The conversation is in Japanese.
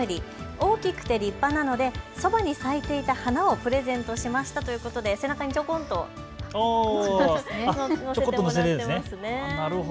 大きくて立派なのでそばに咲いていた花をプレゼントしましたということで背中にちょこんと乗せてもらっていますね。